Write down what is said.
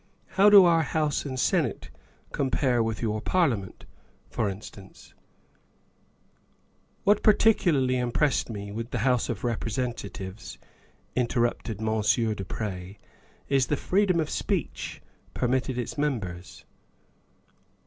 How do our House and Senate compare with your Parliament, for instance ?''" What particularly impressed me with the House of Representatives," interrupted Monsieur du Pre, " is the freedom of speech permitted its members.